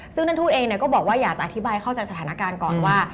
ซึ่งท่านทูตเองก็บอกว่าอยากจะอธิบายเข้าใจสถานการณ์ก่อนว่า